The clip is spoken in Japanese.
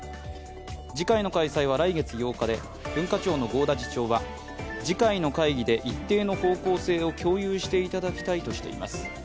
次回の開催は来月８日で、文化庁の合田次長は次回の会議で一定の方向性を共有していただきたいとしています。